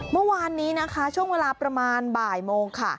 เมื่อวานนี้นะคะช่วงเวลาประมาณบ่ายโมงค่ะ